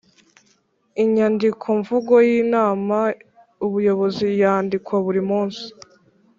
Inyandikomvugo y Inama y Ubuyobozi yandikwa burimunsi.